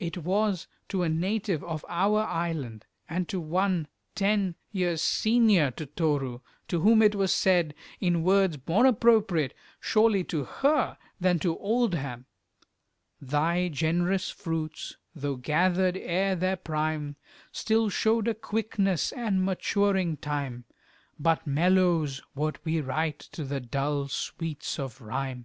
It was to a native of our island, and to one ten years senior to Toru, to whom it was said, in words more appropriate, surely, to her than to Oldham, Thy generous fruits, though gathered ere their prime, Still showed a quickness, and maturing time But mellows what we write to the dull sweets of Rime.